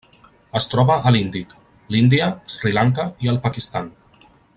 Es troba a l'Índic: l'Índia, Sri Lanka i el Pakistan.